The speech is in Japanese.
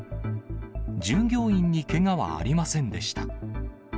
従業員にけがはありませんでした。